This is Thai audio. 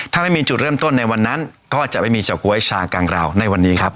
ถ้าไม่มีจุดเริ่มต้นในวันนั้นก็จะไม่มีเฉาก๊วยชากังราวในวันนี้ครับ